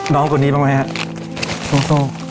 น้องคนนี้บ้างไหมครับ